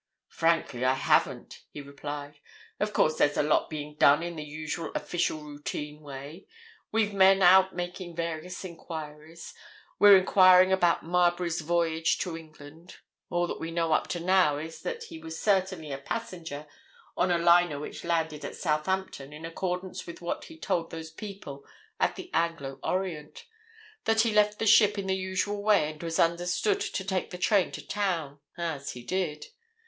"Frankly, I haven't," he replied. "Of course, there's a lot being done in the usual official routine way. We've men out making various enquiries. We're enquiring about Marbury's voyage to England. All that we know up to now is that he was certainly a passenger on a liner which landed at Southampton in accordance with what he told those people at the Anglo Orient, that he left the ship in the usual way and was understood to take the train to town—as he did.